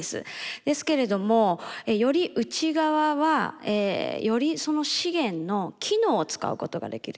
ですけれどもより内側はよりその資源の機能を使うことができる。